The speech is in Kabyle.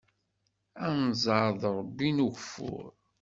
Anẓar d Ṛebbi n ugeffur.